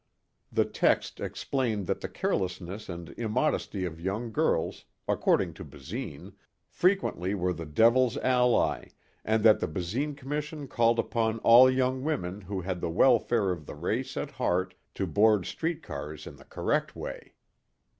The text explained that the carelessness and immodesty of young girls, according to Basine, frequently were the devil's ally and that the Basine Commission called upon all young women who had the welfare of the race at heart to board street cars in the correct way.